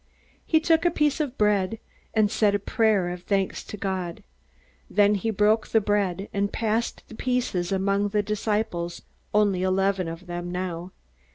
He took up a piece of bread, and said a prayer of thanks to God. Then he broke the bread, and passed the pieces among the disciples only eleven of them now.